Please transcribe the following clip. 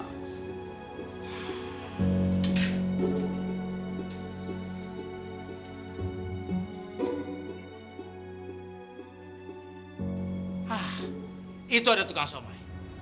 hah itu ada tukang somai